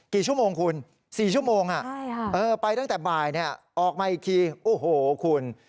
กี่ชั่วโมงคุณ๔ชั่วโมงไปตั้งแต่บ่ายออกมาอีกทีโอ้โหคุณ